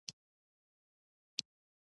رییس احمد جان پوپل هم یو ځای شو.